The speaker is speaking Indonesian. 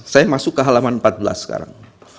saya masuk ke halaman empat belas sekarang